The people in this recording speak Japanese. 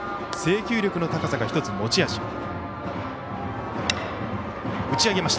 制球力の高さが１つ持ち味。